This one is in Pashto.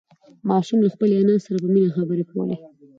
ماشوم له خپلې انا سره په مینه خبرې کولې